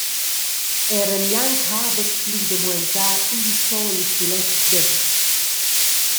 Eran gnanc habels pli da muentar in soli sulet det.